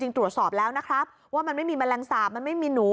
ตรวจสอบแล้วนะครับว่ามันไม่มีแมลงสาปมันไม่มีหนู